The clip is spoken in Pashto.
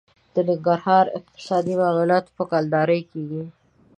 د ننګرهار اقتصادي معاملات په کلدارې کېږي.